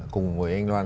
cùng với anh loan